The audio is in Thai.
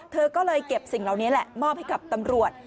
เธอก็เลยเก็บสิ่งเหล่านี้แหละมอบให้กับตำรวจ